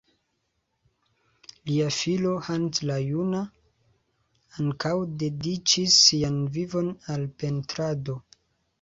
Lia filo, Hans la juna, ankaŭ dediĉis sian vivon al pentrado.